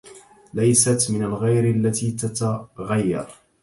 ليست من الغير التي تتغير